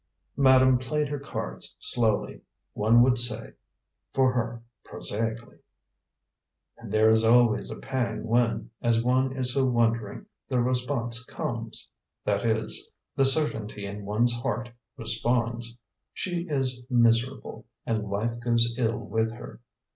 '" Madame played her cards slowly, one would say, for her, prosaically. "And there is always a pang when, as one is so wondering, the response comes, that is, the certainty in one's heart responds, 'She is miserable, and life goes ill with her.'